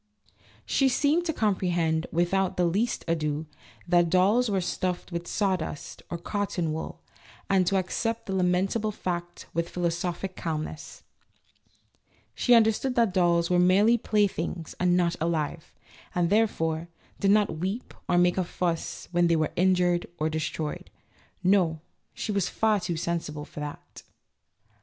She seemed to comprehend, without the least ado, that dolls were stuffed with sawdust, or cotton wool, and to accept the lamentable fact with philosophic calmness; she understood that dolls were merely playthings and not alive, and, therefore, did not weep or make a fuss when they were injured or destroyed. No, she was far too sensible for that.